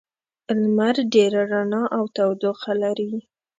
لمر ډېره رڼا او تودوخه لري.